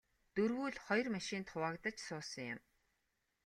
Дөрвүүл хоёр машинд хуваагдаж суусан юм.